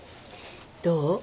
どう？